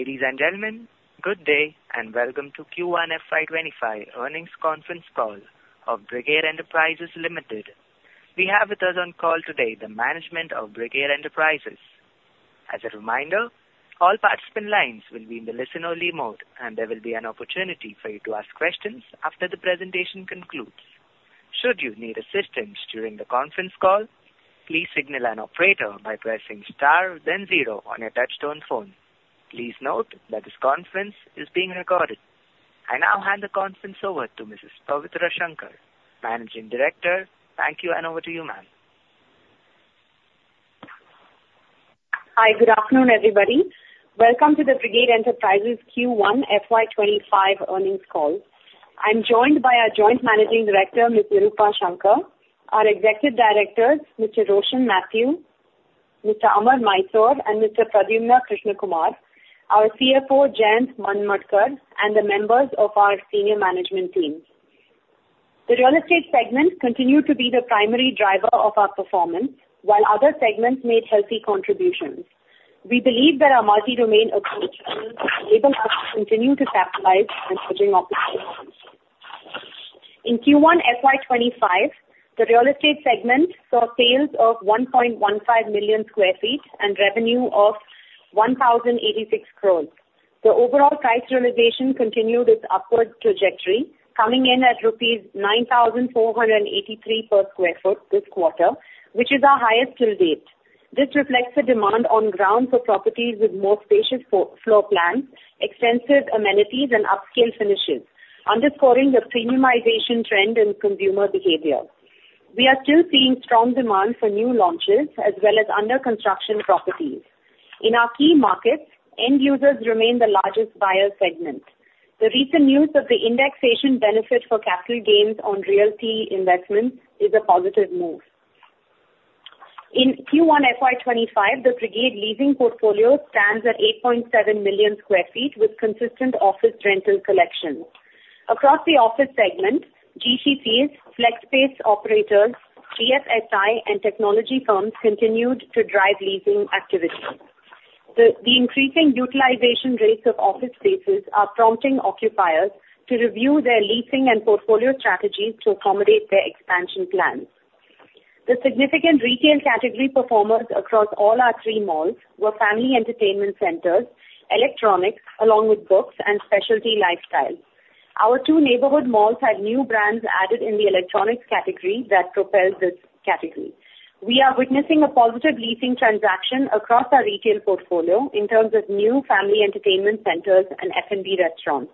Ladies and gentlemen, good day, and welcome to Q1 FY 2025 earnings conference call of Brigade Enterprises Limited. We have with us on call today the management of Brigade Enterprises. As a reminder, all participant lines will be in the listen-only mode, and there will be an opportunity for you to ask questions after the presentation concludes. Should you need assistance during the conference call, please signal an operator by pressing star then zero on your touch-tone phone. Please note that this conference is being recorded. I now hand the conference over to Mrs. Pavitra Shankar, Managing Director. Thank you, and over to you, ma'am. Hi, good afternoon, everybody. Welcome to the Brigade Enterprises Q1 FY 2025 earnings call. I'm joined by our Joint Managing Director, Ms. Nirupa Shankar, our Executive Directors, Mr. Roshan Mathew, Mr. Amar Mysore, and Mr. Pradyumna Krishnakumar, our CFO, Jayant Manmadkar, and the members of our senior management team. The real estate segment continued to be the primary driver of our performance, while other segments made healthy contributions. We believe that our multi-domain approach enabled us to continue to capitalize on emerging opportunities. In Q1 FY 2025, the real estate segment saw sales of 1.15 million sq ft and revenue of 1,086 crore. The overall price realization continued its upward trajectory, coming in at rupees 9,483 per sq ft this quarter, which is our highest till date. This reflects the demand on ground for properties with more spacious floor plans, extensive amenities, and upscale finishes, underscoring the premiumization trend in consumer behavior. We are still seeing strong demand for new launches as well as under construction properties. In our key markets, end users remain the largest buyer segment. The recent news of the indexation benefit for capital gains on realty investments is a positive move. In Q1 FY 2025, the Brigade leasing portfolio stands at 8.7 million sq ft, with consistent office rental collections. Across the office segment, GCCs, flex space operators, GSIs, and technology firms continued to drive leasing activity. The increasing utilization rates of office spaces are prompting occupiers to review their leasing and portfolio strategies to accommodate their expansion plans. The significant retail category performers across all our three malls were family entertainment centers, electronics, along with books and specialty lifestyles. Our two neighborhood malls had new brands added in the electronics category that propelled this category. We are witnessing a positive leasing transaction across our retail portfolio in terms of new family entertainment centers and F&B restaurants.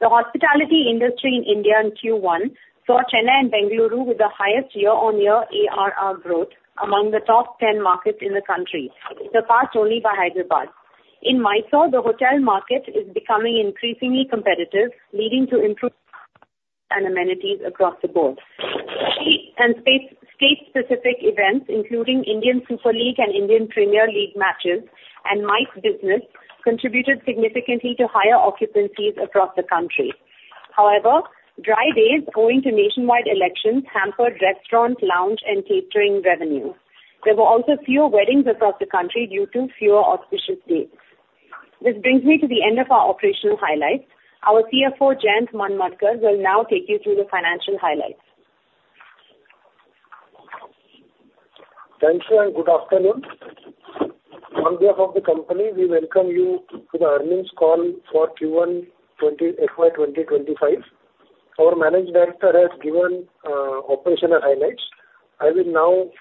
The hospitality industry in India in Q1 saw Chennai and Bengaluru with the highest year-on-year ARR growth among the top 10 markets in the country, surpassed only by Hyderabad. In Mysuru, the hotel market is becoming increasingly competitive, leading to improved amenities across the board. State-specific events, including Indian Super League and Indian Premier League matches, and MICE business, contributed significantly to higher occupancies across the country. However, dry days owing to nationwide elections hampered restaurant, lounge, and catering revenue. There were also fewer weddings across the country due to fewer auspicious dates. This brings me to the end of our operational highlights. Our CFO, Jayant Manmadkar, will now take you through the financial highlights. Thank you, and good afternoon. On behalf of the company, we welcome you to the earnings call for Q1 FY 2025. Our managing director has given operational highlights. I will now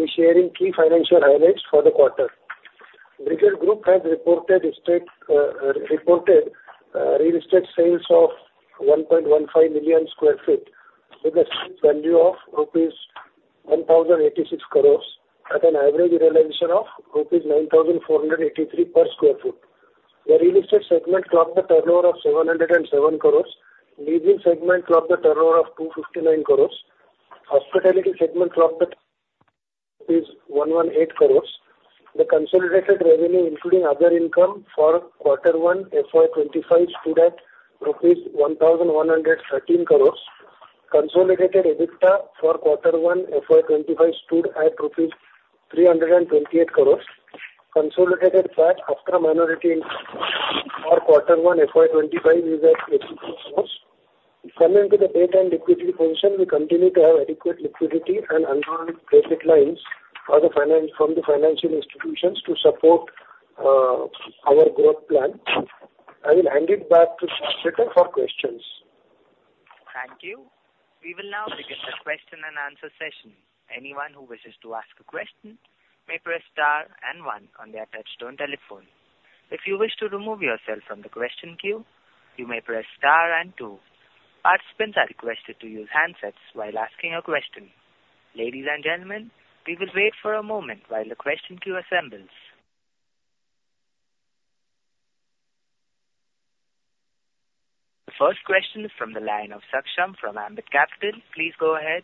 be sharing key financial highlights for the quarter. Brigade Group has reported real estate sales of 1.15 million sq ft, with a sales value of rupees 1,086 crore at an average realization of 9,483 per sq ft. The real estate segment clocked a turnover of 707 crore. Leasing segment clocked a turnover of 259 crore. Hospitality segment clocked at 118 crore. The consolidated revenue, including other income, for quarter one, FY 2025, stood at INR 1,113 crore. Consolidated EBITDA for quarter one, FY 2025, stood at rupees 328 crore. Consolidated tax after minority interest for quarter one, FY 2025, is at 60 crore. Coming to the debt and liquidity position, we continue to have adequate liquidity and undrawn credit lines from the financial institutions to support our growth plan. I will hand it back to operator for questions. Thank you. We will now begin the question-and-answer session. Anyone who wishes to ask a question may press star and one on their touchtone telephone. If you wish to remove yourself from the question queue, you may press star and two. Participants are requested to use handsets while asking a question. Ladies and gentlemen, we will wait for a moment while the question queue assembles. The first question is from the line of Saksham from Ambit Capital. Please go ahead.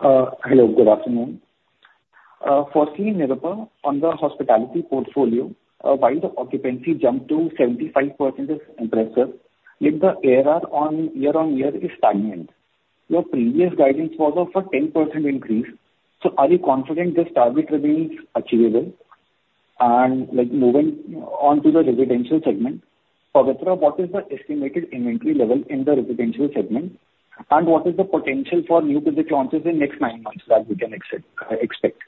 Hello, good afternoon. Firstly, Nirupa, on the hospitality portfolio, while the occupancy jumped to 75% is impressive, if the ARR on year-on-year is stagnant? Your previous guidance was of a 10% increase. So are you confident this target will be achievable? And like moving on to the residential segment, Pavitra, what is the estimated inventory level in the residential segment? And what is the potential for new project launches in next nine months that we can expect?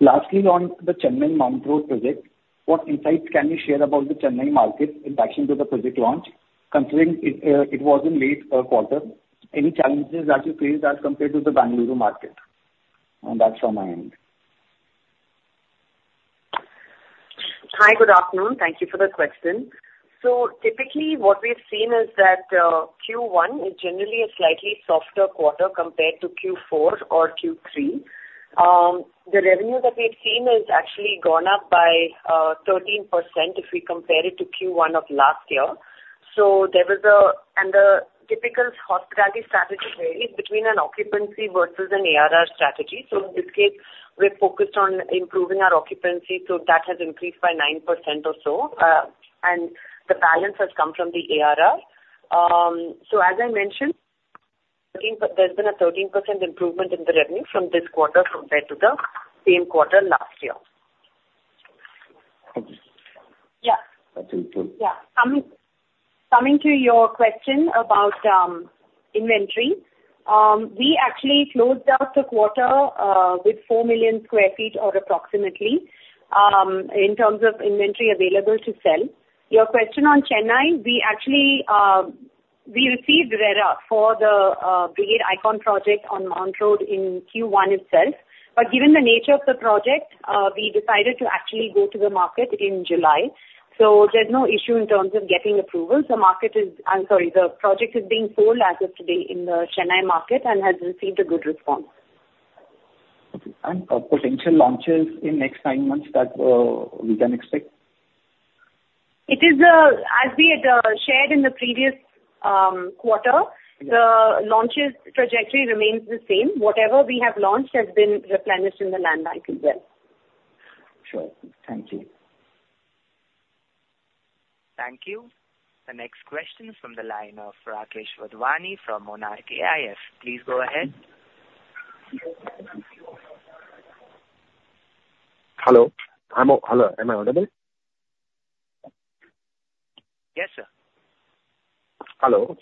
Lastly, on the Chennai Mount Road project, what insights can you share about the Chennai market in relation to the project launch, considering it, it was in late quarter? Any challenges that you faced as compared to the Bengaluru market? And that's from my end. Hi, good afternoon. Thank you for the question. So typically, what we've seen is that Q1 is generally a slightly softer quarter compared to Q4 or Q3. The revenue that we've seen is actually gone up by 13% if we compare it to Q1 of last year. And the typical hospitality strategy varies between an occupancy versus an ARR strategy. So in this case, we're focused on improving our occupancy, so that has increased by 9% or so, and the balance has come from the ARR. So as I mentioned, there's been a 13% improvement in the revenue from this quarter compared to the same quarter last year. Okay. Yeah. Thank you. Yeah. Coming, coming to your question about inventory, we actually closed out the quarter with 4 million sq ft or approximately in terms of inventory available to sell. Your question on Chennai, we actually, we received RERA for the Brigade Icon project on Mount Road in Q1 itself. But given the nature of the project, we decided to actually go to the market in July. So there's no issue in terms of getting approvals. The market is-- I'm sorry, the project is being sold as of today in the Chennai market and has received a good response. Okay. And potential launches in next nine months that we can expect? It is, as we had, shared in the previous quarter, the launches trajectory remains the same. Whatever we have launched has been replenished in the land bank as well. Sure. Thank you. Thank you. The next question is from the line of Rakesh Wadhwani from Monarch Networth Capital. Please go ahead. Hello? Hello, am I audible? Yes, sir. Hello?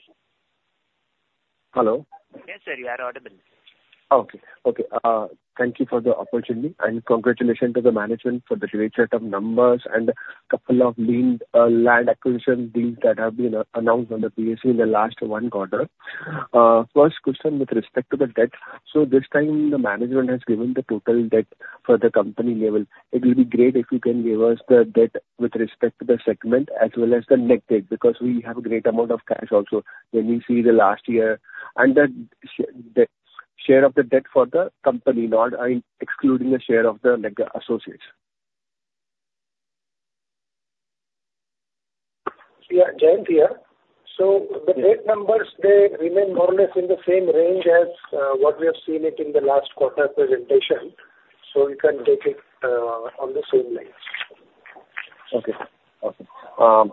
Hello. Yes, sir, you are audible. Okay. Okay, thank you for the opportunity, and congratulations to the management for the great set of numbers and a couple of deal, land acquisition deals that have been announced on the BSE in the last one quarter. First question with respect to the debt. So this time, the management has given the total debt for the company level. It will be great if you can give us the debt with respect to the segment as well as the net debt, because we have a great amount of cash also when we see the last year, and the share of the debt for the company, not excluding the share of the, like, associates. Yeah, Jayant here. So the debt numbers, they remain more or less in the same range as, what we have seen it in the last quarter presentation, so you can take it, on the same lines. Okay. Awesome.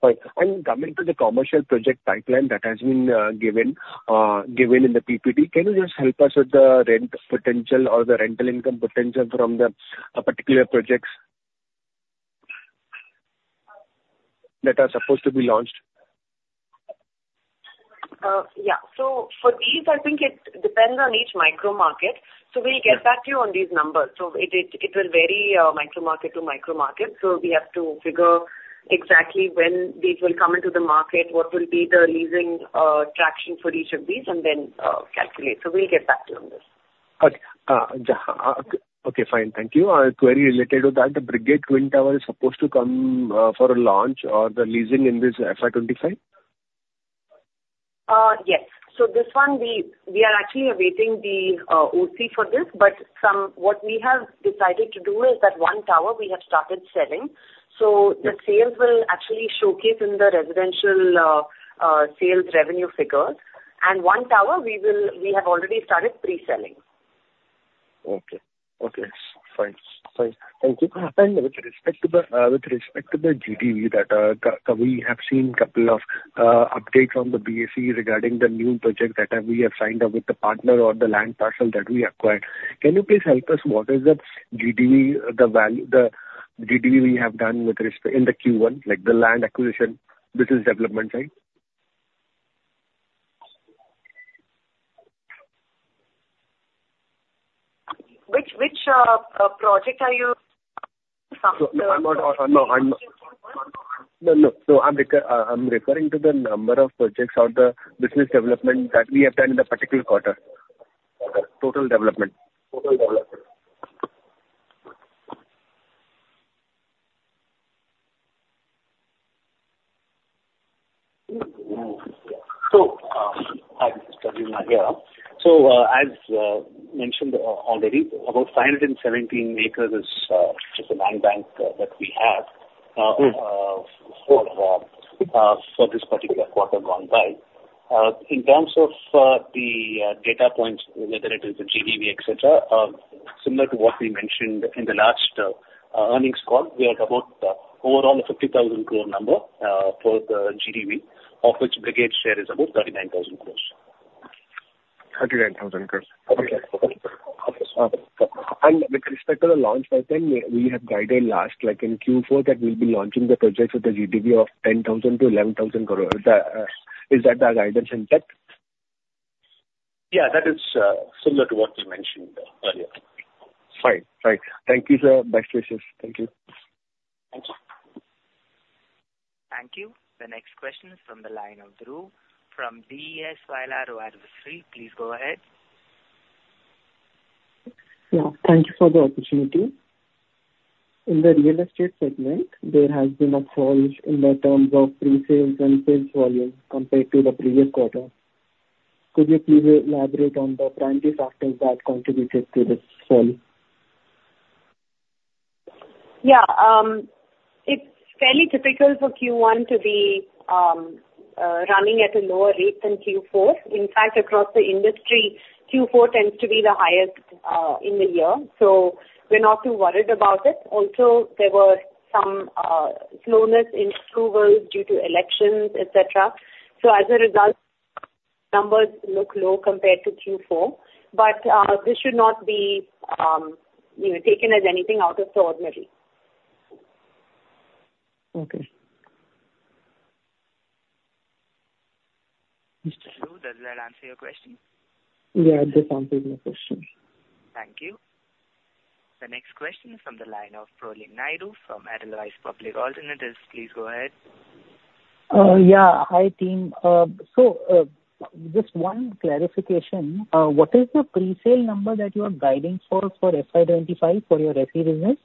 Fine. Fine. Coming to the commercial project pipeline that has been given in the PPT, can you just help us with the rent potential or the rental income potential from the particular projects that are supposed to be launched? Yeah. So for these, I think it depends on each micro market. Yeah. We'll get back to you on these numbers. It will vary, micro market to micro market. We have to figure exactly when these will come into the market, what will be the leasing traction for each of these, and then calculate. We'll get back to you on this. Okay. Okay, fine. Thank you. A query related to that, the Brigade Twin Towers is supposed to come for a launch or the leasing in this FY 2025? Yes. So this one we are actually awaiting the OC for this. But some, what we have decided to do is that one tower we have started selling. The sales will actually showcase in the residential sales revenue figure. And one tower we have already started pre-selling. Okay. Okay, fine. Fine. Thank you. And with respect to the GDV that we have seen couple of updates from the BSE regarding the new project that we have signed up with the partner or the land parcel that we acquired. Can you please help us, what is the GDV, the value, the GDV we have done with respect in the Q1, like the land acquisition, business development side? Which project are you? So I'm not, no, I'm, no, no, no, I'm referring to the number of projects or the business development that we have done in the particular quarter. Total development. Total development. So, I'm here. So, as mentioned already, about 517 acres is the land bank that we have, for this particular quarter gone by. In terms of the data points, whether it is the GDV, et cetera, similar to what we mentioned in the last earnings call, we are about overall 50,000 crore number for the GDV, of which Brigade's share is about 39,000 crore. 39,000 crore. Okay. And with respect to the launch pricing, we, we have guided last, like, in Q4, that we'll be launching the projects with a GDV of 10,000 crore-11,000 crore. The, is that the guidance in that? Yeah, that is, similar to what we mentioned earlier. Fine. Right. Thank you, sir. Best wishes. Thank you. Thank you. Thank you. The next question is from the line of Dhruv from B&K Securities. Please go ahead. Yeah, thank you for the opportunity. In the real estate segment, there has been a fall in the terms of pre-sales and sales volume compared to the previous quarter. Could you please elaborate on the primary factors that contributed to this fall? Yeah, it's fairly typical for Q1 to be running at a lower rate than Q4. In fact, across the industry, Q4 tends to be the highest in the year, so we're not too worried about it. Also, there were some slowness in approvals due to elections, et cetera. So as a result, numbers look low compared to Q4. But this should not be you know taken as anything out of the ordinary. Okay. Mr. Dhruv, does that answer your question? Yeah, that answers my question. Thank you. The next question is from the line of Parvez Qazi from Edelweiss Public Alternatives. Please go ahead. Yeah. Hi, team. So, just one clarification. What is the pre-sale number that you are guiding for for FY 2025 for your RE business?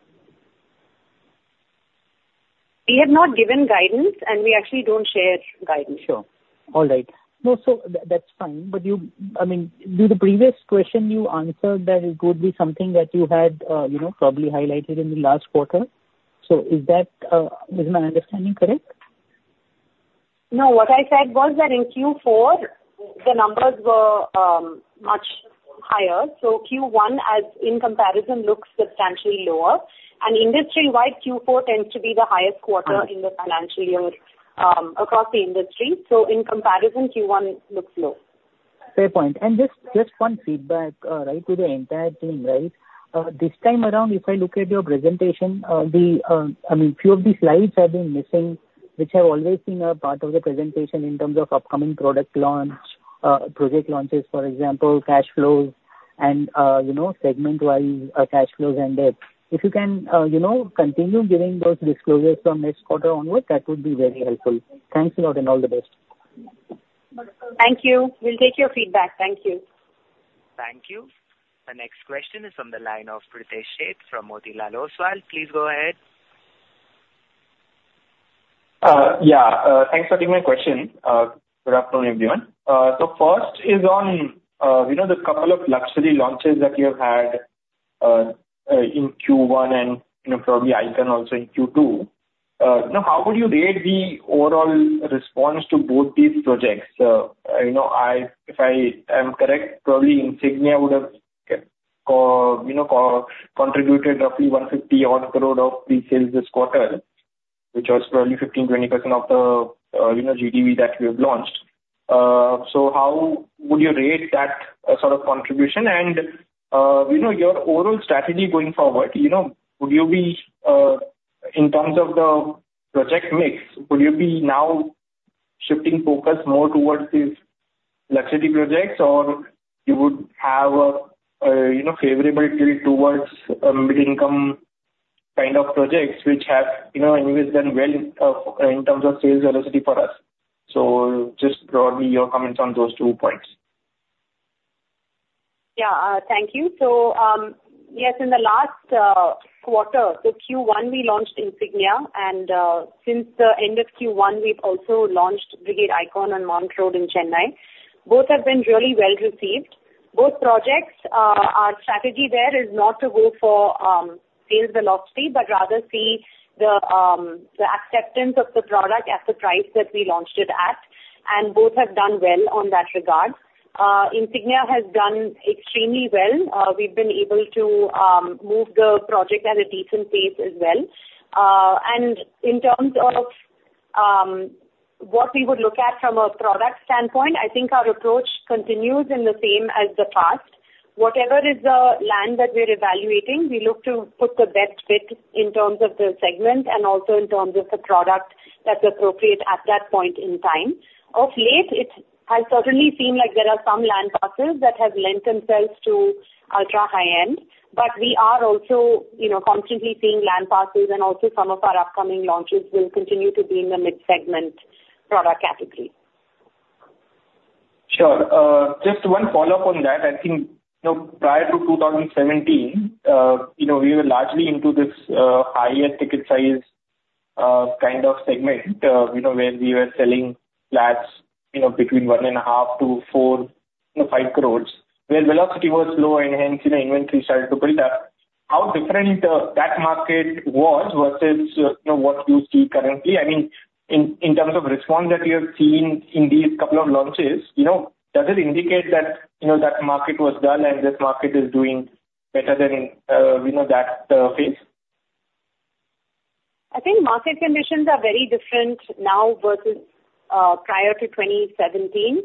We have not given guidance, and we actually don't share guidance. Sure. All right. No, so that's fine. But you, I mean, with the previous question you answered that it could be something that you had, you know, probably highlighted in the last quarter. So is that, is my understanding correct? No, what I said was that in Q4, the numbers were much higher. So Q1, as in comparison, looks substantially lower. And industry-wide, Q4 tends to be the highest quarter in the financial year, across the industry. So in comparison, Q1 looks low. Fair point. And just, just one feedback, right, to the entire team, right? This time around, if I look at your presentation, the, I mean, few of the slides have been missing, which have always been a part of the presentation in terms of upcoming product launch, project launches, for example, cash flows and, you know, segment-wise, cash flows and debt. If you can, you know, continue giving those disclosures from next quarter onwards, that would be very helpful. Thanks a lot, and all the best. Thank you. We'll take your feedback. Thank you. Thank you. The next question is from the line of Pritesh Sheth from Motilal Oswal. Please go ahead. Yeah, thanks for taking my question. Good afternoon, everyone. So first is on, you know, the couple of luxury launches that you have had in Q1, and, you know, probably Icon also in Q2. Now, how would you rate the overall response to both these projects? You know, if I am correct, probably Insignia would have contributed roughly 150 crore of pre-sales this quarter, which was probably 15%-20% of the GDV that you have launched. So how would you rate that sort of contribution? You know, your overall strategy going forward, you know, would you be, in terms of the project mix, would you be now shifting focus more towards these luxury projects, or you would have a, you know, favorability towards, mid-income kind of projects which have, you know, anyways, done well, in terms of sales velocity for us? So just probably your comments on those two points. Yeah. Thank you. So, yes, in the last quarter, so Q1, we launched Insignia, and since the end of Q1, we've also launched Brigade Icon on Mount Road in Chennai. Both have been really well received. Both projects, our strategy there is not to go for sales velocity, but rather see the acceptance of the product at the price that we launched it at, and both have done well on that regard. Insignia has done extremely well. We've been able to move the project at a decent pace as well. And in terms of what we would look at from a product standpoint, I think our approach continues in the same as the past. Whatever is the land that we're evaluating, we look to put the best fit in terms of the segment and also in terms of the product that's appropriate at that point in time. Of late, it has certainly seemed like there are some land parcels that have lent themselves to ultra high end, but we are also, you know, constantly seeing land parcels and also some of our upcoming launches will continue to be in the mid-segment product category. Sure. Just one follow-up on that. I think, you know, prior to 2017, you know, we were largely into this, higher ticket size, kind of segment, you know, where we were selling flats, you know, between 1.5-4, you know, 5 crores, where velocity was low and hence, you know, inventory started to build up how different, that market was versus, you know, what you see currently? I mean, in, in terms of response that you have seen in these couple of launches, you know, does it indicate that, you know, that market was done and this market is doing better than, you know, that, phase? I think market conditions are very different now versus prior to 2017.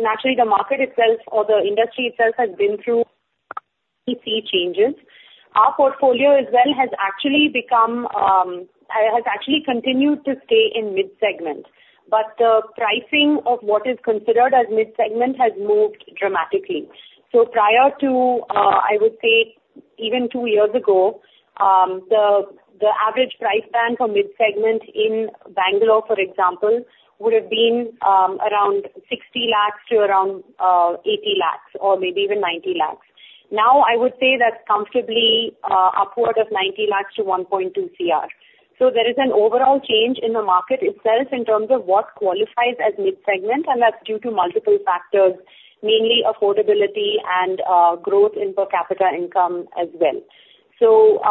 Naturally, the market itself or the industry itself has been through sea changes. Our portfolio as well has actually continued to stay in mid-segment, but the pricing of what is considered as mid-segment has moved dramatically. So prior to, I would say even two years ago, the average price band for mid-segment in Bangalore, for example, would have been around 60 lakhs to around 80 lakhs or maybe even 90 lakhs. Now I would say that's comfortably upward of 90 lakhs to 1.2 crore. So there is an overall change in the market itself in terms of what qualifies as mid-segment, and that's due to multiple factors, mainly affordability and growth in per capita income as well. So,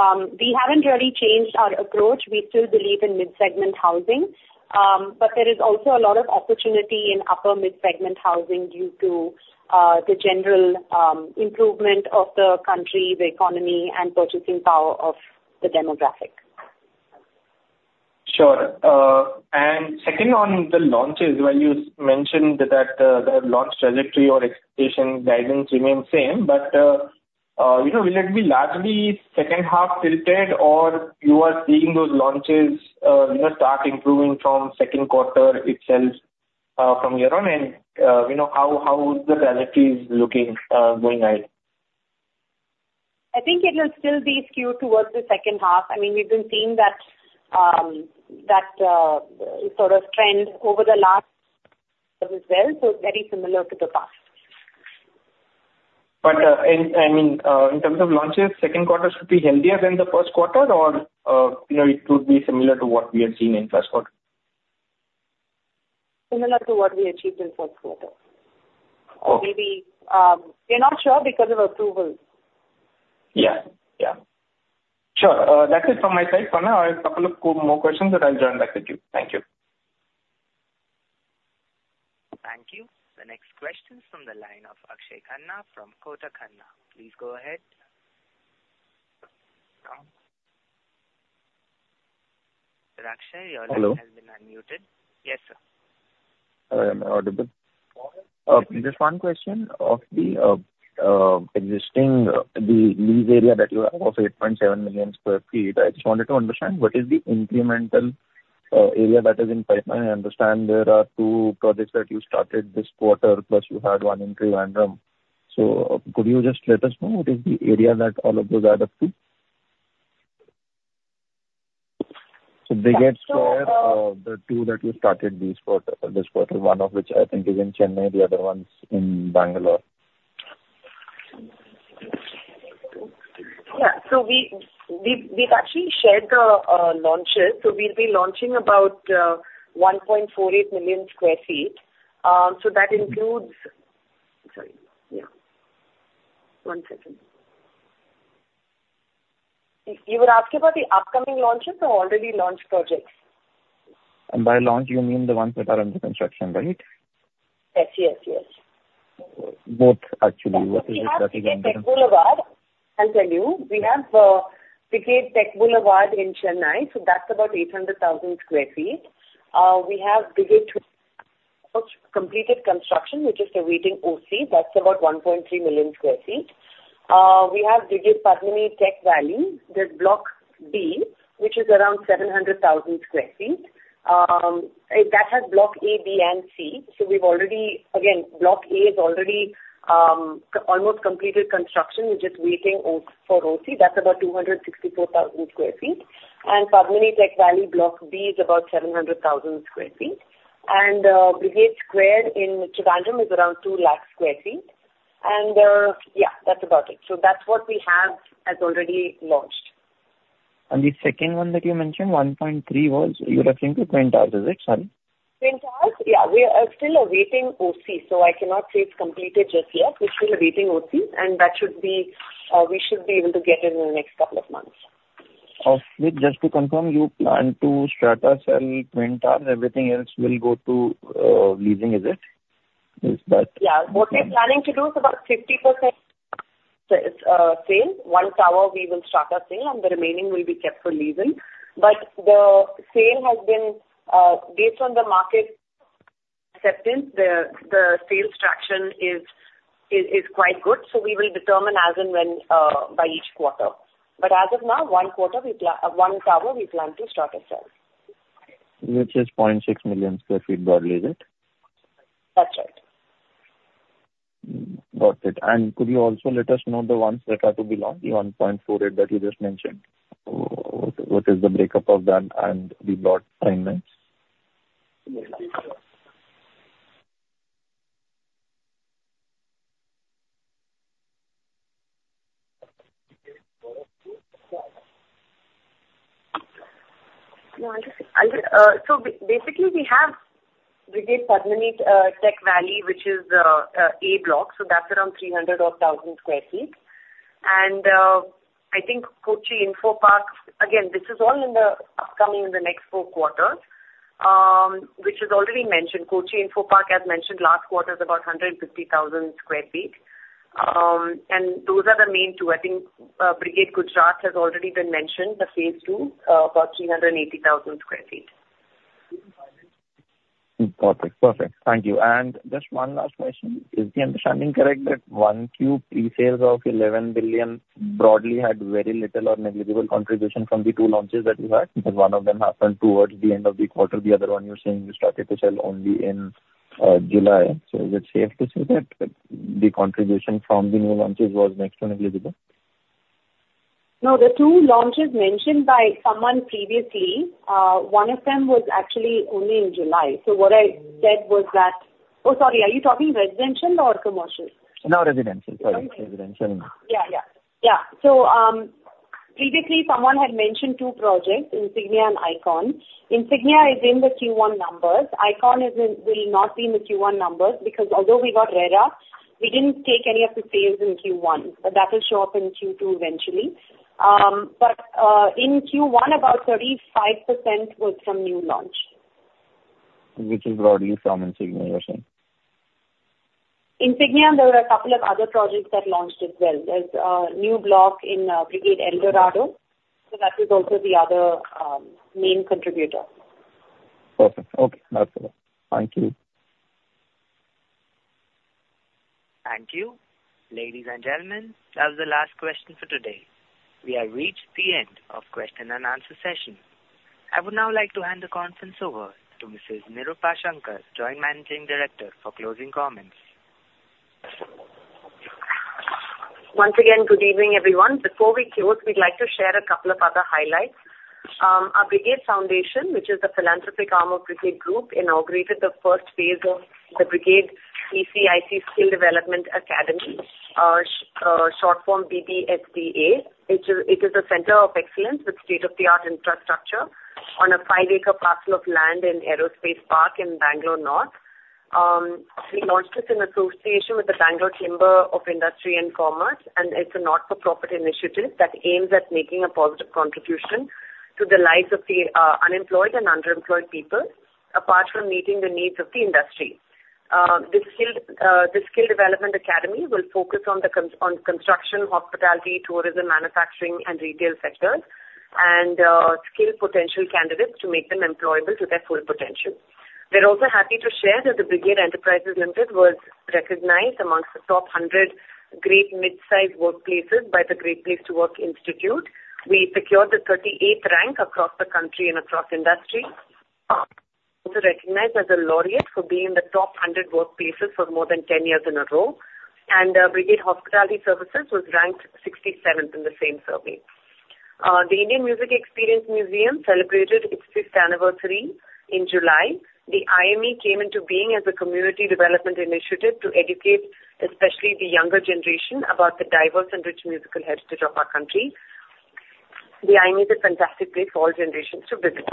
we haven't really changed our approach. We still believe in mid-segment housing. But there is also a lot of opportunity in upper mid-segment housing due to the general improvement of the country, the economy, and purchasing power of the demographic. Sure. And second, on the launches, when you mentioned that, the launch trajectory or expectation guidance remains same, but, you know, will it be largely second half tilted, or you are seeing those launches, you know, start improving from second quarter itself, from year on? And, you know, how is the trajectory is looking, going on? I think it will still be skewed towards the second half. I mean, we've been seeing that sort of trend over the last as well, so very similar to the past. But, I mean, in terms of launches, second quarter should be healthier than the first quarter, or, you know, it could be similar to what we have seen in first quarter? Similar to what we achieved in first quarter. Okay. Maybe, we're not sure because of approvals. Yeah. Yeah. Sure. That's it from my side, Sona. I have a couple more questions, but I'll join back with you. Thank you. Thank you. The next question is from the line of Abhishek Khanna from Kotak Securities. Please go ahead. Abhishek. Hello? Your line has been unmuted. Yes, sir. I'm audible. Go ahead. Just one question: Of the existing lease area that you have of 8.7 million sq ft, I just wanted to understand, what is the incremental area that is in pipeline? I understand there are two projects that you started this quarter, plus you had one in Thiruvananthapuram. So could you just let us know what is the area that all of those add up to? So Brigade Square. So, uh. The two that you started this quarter, this quarter, one of which I think is in Chennai, the other one's in Bangalore. Yeah. So we've actually shared the launches. So we'll be launching about 1.48 million sq ft. So that includes. Sorry. Yeah. One second. You were asking about the upcoming launches or already launched projects? By launch, you mean the ones that are under construction, right? Yes, yes, yes. Both, actually. I'll tell you. We have Brigade Tech Boulevard in Chennai, so that's about 800,000 sq ft. We have Brigade Icon, completed construction, which is awaiting OC. That's about 1.3 million sq ft. We have Brigade Padmini Tech Valley. There's Block B, which is around 700,000 sq ft. That has Block A, B, and C. So we've already. Again, Block A is already almost completed construction, which is waiting for OC. That's about 264,000 sq ft. And Padmini Tech Valley, Block B, is about 700,000 sq ft. And Brigade Square in Thiruvananthapuram is around 200,000 sq ft. And yeah, that's about it. So that's what we have as already launched. And the second one that you mentioned, 1.3, was, you're referring to Twin Towers, is it? Sorry. Twin Towers? Yeah, we are still awaiting OC, so I cannot say it's completed just yet. We're still awaiting OC, and that should be, we should be able to get it in the next couple of months. Just to confirm, you plan to strata sell Twin Towers, everything else will go to leasing, is it? Is that. Yeah. What we're planning to do is about 50% sale. One tower we will strata then, and the remaining will be kept for leasing. But the sale has been based on the market acceptance, the sales traction is quite good, so we will determine as and when by each quarter. But as of now, one tower we plan to strata sell. Which is 0.6 million sq ft broadly, is it? That's right. Got it. Could you also let us know the ones that are to be launched, the 1.48 that you just mentioned, what is the breakup of them and the plot timings? No, I'll just, so basically, we have Brigade Padmini Tech Valley, which is a block, so that's around 300,000 sq ft. And, I think Kochi Info Park, again, this is all in the upcoming in the next four quarters, which is already mentioned. Kochi Info Park, as mentioned last quarter, is about 150,000 sq ft. And those are the main two. I think, Brigade Gujarat has already been mentioned, the phase II, about 380,000 sq ft. Perfect. Perfect. Thank you. Just one last question: Is the understanding correct that Q1 pre-sales of 11 billion broadly had very little or negligible contribution from the two launches that you had? Because one of them happened towards the end of the quarter, the other one you're saying you started to sell only in July. So is it safe to say that the contribution from the new launches was next to negligible? No, the two launches mentioned by someone previously, one of them was actually only in July. So what I said was that. Oh, sorry, are you talking residential or commercial? No, residential. Sorry, residential. Yeah, yeah. Yeah. So, previously someone had mentioned two projects, Insignia and Icon. Insignia is in the Q1 numbers. Icon is in, will not be in the Q1 numbers, because although we got RERA, we didn't take any of the sales in Q1, but that will show up in Q2 eventually. But, in Q1, about 35% was from new launch. Which is broadly from Insignia, you're saying? Insignia, and there were a couple of other projects that launched as well. There's a new block in Brigade Eldorado, so that is also the other main contributor. Perfect. Okay, that's it. Thank you. Thank you. Ladies and gentlemen, that was the last question for today. We have reached the end of question and answer session. I would now like to hand the conference over to Mrs. Nirupa Shankar, Joint Managing Director, for closing comments. Once again, good evening, everyone. Before we close, we'd like to share a couple of other highlights. Our Brigade Foundation, which is the philanthropic arm of Brigade Group, inaugurated the first phase of the Brigade-BCIC Skill Development Academy, short form BBSDA. It is a center of excellence with state-of-the-art infrastructure on a 5-acre parcel of land in Aerospace Park in Bangalore North. We launched this in association with the Bangalore Chamber of Industry & Commerce, and it's a not-for-profit initiative that aims at making a positive contribution to the lives of the unemployed and underemployed people, apart from meeting the needs of the industry. The skill development academy will focus on construction, hospitality, tourism, manufacturing, and retail sectors, and skill potential candidates to make them employable to their full potential. We're also happy to share that the Brigade Enterprises Limited was recognized among the top 100 great mid-sized workplaces by the Great Place To Work Institute. We secured the 38th rank across the country and across industries. Also recognized as a laureate for being in the top 100 workplaces for more than 10 years in a row. Brigade Hospitality Services was ranked 67th in the same survey. The Indian Music Experience Museum celebrated its 5th anniversary in July. The IME came into being as a community development initiative to educate, especially the younger generation, about the diverse and rich musical heritage of our country. The IME is a fantastic place for all generations to visit.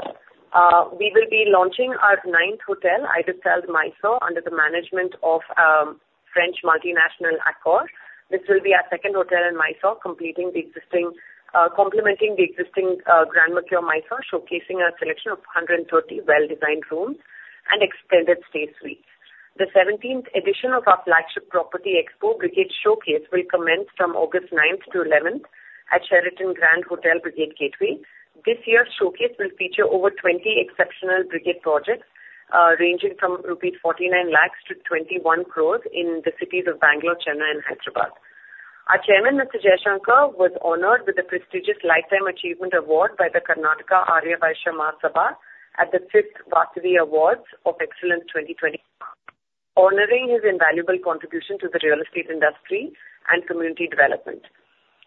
We will be launching our 9th hotel, ibis Styles Mysuru, under the management of French multinational Accor. This will be our second hotel in Mysuru, completing the existing, complementing the existing, Grand Mercure Mysuru, showcasing a selection of 130 well-designed rooms and extended stay suites. The 17th edition of our flagship property expo, Brigade Showcase, will commence from August 9-11 at Sheraton Grand Bangalore Hotel at Brigade Gateway. This year's showcase will feature over 20 exceptional Brigade projects, ranging from rupees 49 lakhs to 21 crores in the cities of Bengaluru, Chennai, and Hyderabad. Our Chairman, M.R. Jaishankar, was honored with the prestigious Lifetime Achievement Award by the Karnataka Arya Vysya Mahasabha at the 5th Vasavi Awards of Excellence 2020, honoring his invaluable contribution to the real estate industry and community development.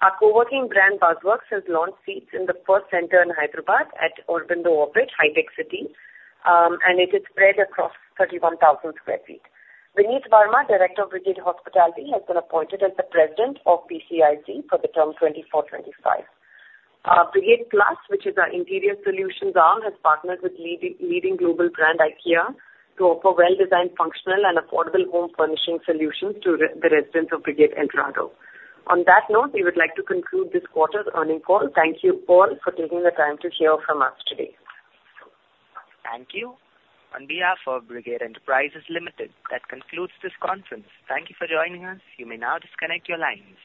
Our co-working brand, Buzzworks, has launched seats in the first center in Hyderabad at Urbando Orbit HITEC City, and it is spread across 31,000 sq ft. Vineet Verma, Director of Brigade Hospitality, has been appointed as the President of BCIC for the term 2024-2025. Brigade Plus, which is our interior solutions arm, has partnered with leading global brand IKEA to offer well-designed, functional, and affordable home furnishing solutions to the residents of Brigade Eldorado. On that note, we would like to conclude this quarter's earnings call. Thank you all for taking the time to hear from us today. Thank you. On behalf of Brigade Enterprises Limited, that concludes this conference. Thank you for joining us. You may now disconnect your lines.